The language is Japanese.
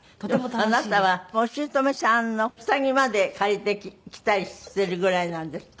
あなたはお姑さんの下着まで借りてきたりしているぐらいなんですって？